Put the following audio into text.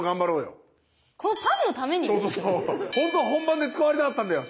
本当は本番で使われたかったんだよ